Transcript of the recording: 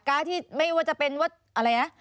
การ์ดที่ไม่ว่าจะเป็นว่าอะไรนะ